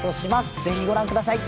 ぜひご覧ください。